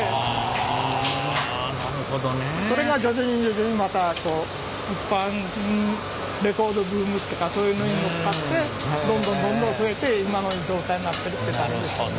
あなるほどね。それが徐々に徐々にまたレコードブームっていうかそういうのに乗っかってどんどんどんどん増えて今の状態になってるって感じですね。